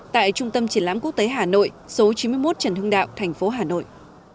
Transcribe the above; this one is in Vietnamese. tại trung tâm triển lãm quốc tế hà nội số chín mươi một trần hưng đạo thành phố hà nội